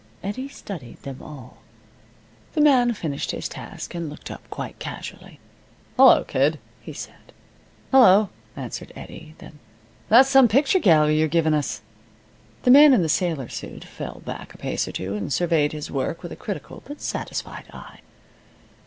Eddie studied them all. The man finished his task and looked up, quite casually. "Hello, kid," he said. "Hello," answered Eddie. Then "That's some picture gallery you're giving us." The man in the sailor suit fell back a pace or two and surveyed his work with a critical but satisfied eye.